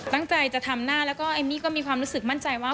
ตั้งใจจะทำหน้าแล้วก็เอมมี่ก็มีความรู้สึกมั่นใจว่า